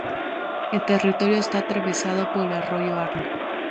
El territorio está atravesado por el arroyo Arno.